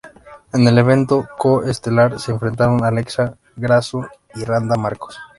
En el evento co-estelar se enfrentaron Alexa Grasso y Randa Markos.